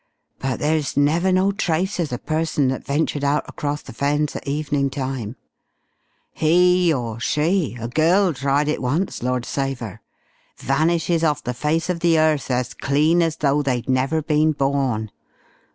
But there's never no trace of the person that ventured out across the Fens at evening time. He, or she a girl tried it once, Lord save 'er! vanishes off the face of the earth as clean as though they'd never been born.